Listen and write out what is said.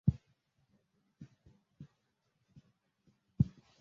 চার জনকে সকল অভিযোগ থেকে অব্যাহতি দেওয়া হয়।